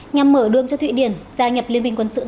nhằm mở đường cho thụy điển gia nhập liên minh quân sự